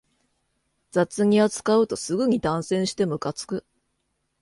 雑に扱うとすぐに断線してムカつく